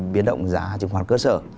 biến động giá trứng khoán cơ sở